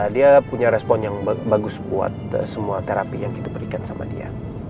dia punya respon yang bagus buat semua terapi yang kita berikan sama dia